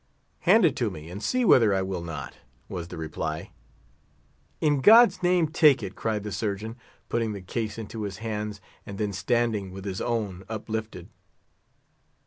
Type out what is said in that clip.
"Hand it to me, and see whether I will not," was the reply. "In God's name, take it!" cried the Surgeon, putting the case into his hands, and then standing with his own uplifted.